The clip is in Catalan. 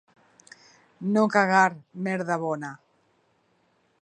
No cagar merda bona.